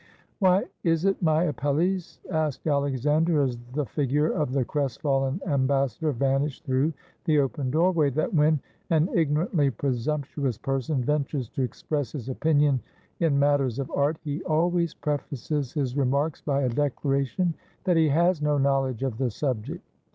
"Why is it, my Apelles," asked Alexander, as the figure of the crestfallen ambassador vanished through the open doorway, "that when an ignorantly presump tuous person ventures to express his opinion in matters of art, he always prefaces his remarks by a declaration that he has no knowledge of the subject?